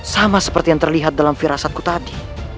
sama seperti yang terlihat dalam firasatku tadi